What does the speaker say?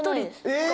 え！